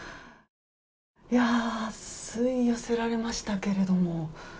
いやあ、吸い寄せられましたけれども。